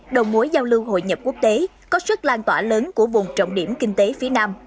đồng mối giao lưu hội nhập quốc tế có sức lan tỏa lớn của vùng trọng điểm kinh tế phía nam